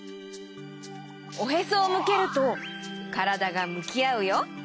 おへそをむけるとからだがむきあうよ。